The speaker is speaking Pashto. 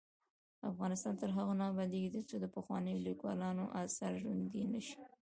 افغانستان تر هغو نه ابادیږي، ترڅو د پخوانیو لیکوالانو اثار ژوندي نشي.